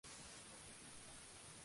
Pasó luego a Holanda.